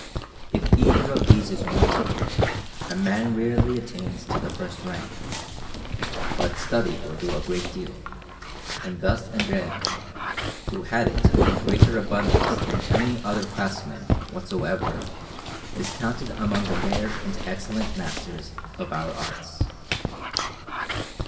If either of these is wanting, a man rarely attains to the first rank; but study will do a great deal, and thus Andrea, who had it in greater abundance than any other craftsman whatsoever, is counted among the rare and excellent masters of our arts.